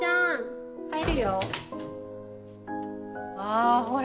あほら